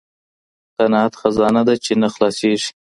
قناعت خزانه ده چې نه خلاصیږي.